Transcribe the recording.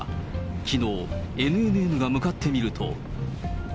きのう、ＮＮＮが向かってみると。